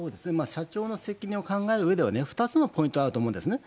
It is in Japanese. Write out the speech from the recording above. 社長の責任を考えるうえでは、２つのポイントがあると思うんですね。